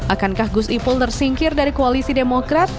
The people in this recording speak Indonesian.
akankah gus ipul tersingkir dari koalisi demokrat